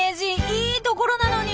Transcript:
いいところなのに。